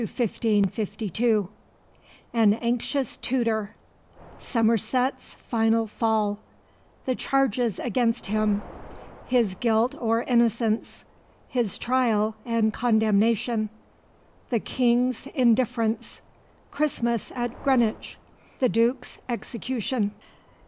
CHAPTER XII 1551 1552 An anxious tutor Somerset's final fall The charges against him His guilt or innocence His trial and condemnation The King's indifference Christmas at Greenwich The Duke's execution.